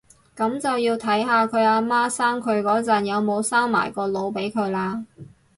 噉就要睇下佢阿媽生佢嗰陣有冇生埋個腦俾佢喇